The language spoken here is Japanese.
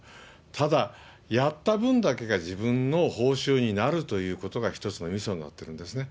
ただ、やった分だけが自分の報酬になるということが一つのみそになっているんですね。